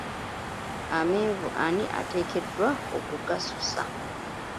Amenvu ani ateekeddwa okugasusa?